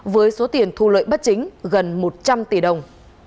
với số tiền thu lợi bất chính gần một trăm linh tỷ đồng